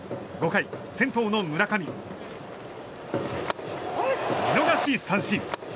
５回、先頭の村上見逃し三振。